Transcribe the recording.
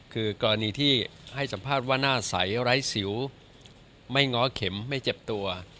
คือกรณีที่ให้สัมภาษณ์ว่าหน้าใสไร้สิวไม่ง้อเข็มไม่เจ็บตัว